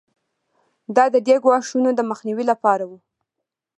دا د دې ګواښونو د مخنیوي لپاره وو.